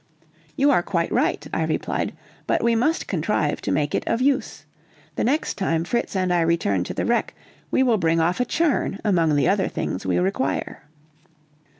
"You are quite right," I replied, "but we must contrive to make it of use. The next time Fritz and I return to the wreck we will bring off a churn among the other things we require."